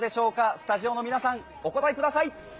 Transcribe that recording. スタジオの皆さん、お答えください。